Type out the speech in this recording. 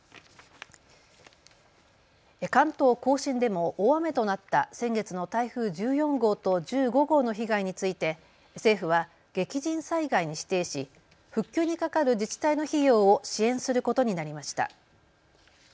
関東甲信でも大雨となった先月の台風１４号と１５号の被害について政府は激甚災害に指定し復旧にかかる自治体の費用を支援することになりました。